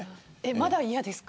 まだ嫌ですか。